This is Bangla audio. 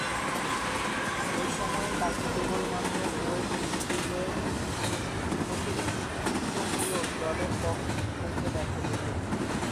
ঐ সময়ে তাকে কেবলমাত্র ওয়েস্ট ইন্ডিজের প্রতিনিধিত্বমূলক দলের পক্ষে খেলতে দেখা যেতো।